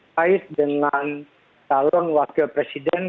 kait dengan calon wakil presiden